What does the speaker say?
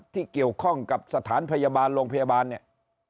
ที่เกี่ยวข้องกับสถานพยาบาลโรงพยาบาลเนี่ย